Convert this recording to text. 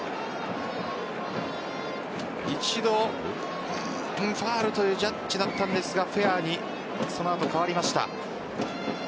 一度、ファウルというジャッジだったんですがフェアにその後、変わりました。